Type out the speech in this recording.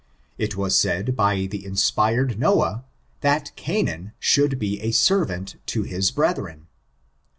It was said by the inspired Noah, that Canaan should be a servant to his brethren.